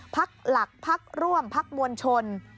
พักหลักพักร่วมพักมวลชน